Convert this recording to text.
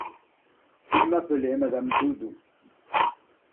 Ils m'appelaient Madame Doudou.